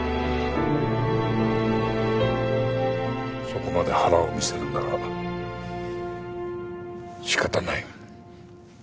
そこまで腹を見せるなら仕方ない。